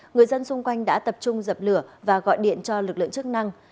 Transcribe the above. người dân xung quanh đã tập trung dập lửa và gọi điện cho lực lượng chức năng